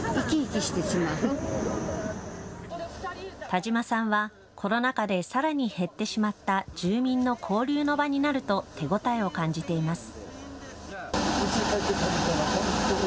田島さんはコロナ禍でさらに減ってしまった住民の交流の場になると手応えを感じています。